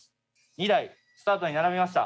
２台スタートに並びました。